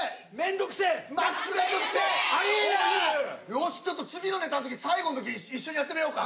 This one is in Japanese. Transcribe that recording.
よしちょっと次のネタの時最後の時一緒にやってみようか。